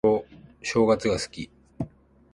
正月が好き